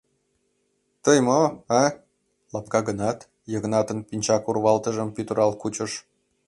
— Тый мо, а? — лапка гынат, Йыгнатын пинчак урвалтыжым пӱтырал кучыш.